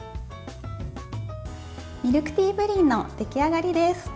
ミルクティープリンの出来上がりです。